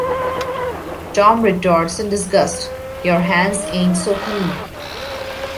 Tom retorts in disgust: Your hands ain't so clean.